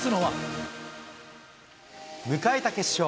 迎えた決勝。